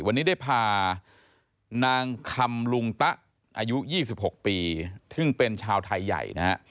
วันนี้ได้พานางคำลุงตะอายุ๒๖ปีซึ่งเป็นชาวไทยใหญ่นะฮะ